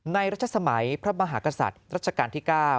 รัชสมัยพระมหากษัตริย์รัชกาลที่๙